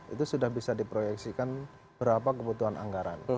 itu sudah bisa diproyeksikan berapa kebutuhan anggaran